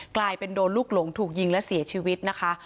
กลายเป็นโดนลูกหลงถูกยิงและเสียชีวิตนะคะ